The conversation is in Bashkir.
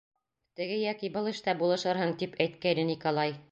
Теге йәки был эштә булышырһың, тип әйткәйне Николай.